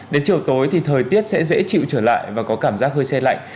đến chiều tối thì thời tiết sẽ dễ chịu trở lại và có cảm giác hơi xe lạnh